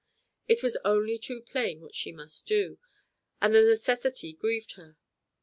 It was only too plain what she must do, and the necessity grieved her.